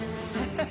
ハハハ！